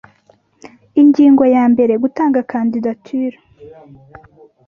ingingo ya mbere gutanga kandidatire